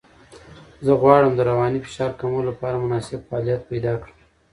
زه غواړم د رواني فشار کمولو لپاره مناسب فعالیت پیدا کړم.